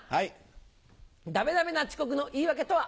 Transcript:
ダメダメな遅刻の言い訳とは？